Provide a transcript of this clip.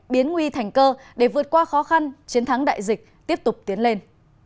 biến nguy thành cơ để vượt qua khó khăn chiến thắng đại dịch tiếp tục tiến lên